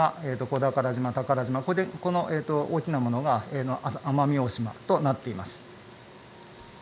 宝島、宝島この大きなものが奄美大島となっています。